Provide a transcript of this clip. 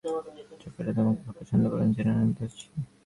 জাকারিয়া তোমাকে খুব পছন্দ করেন জেনে আনন্দিত হচ্ছি।